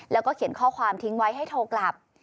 แล้วก็เขียนข้อความทิ้งไว้ให้โทรกลับ